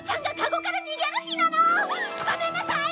ごめんなさい！